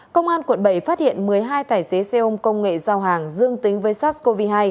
công an quận bảy phát hiện một mươi hai tài xế xe ôm công nghệ giao hàng dương tính với sars cov hai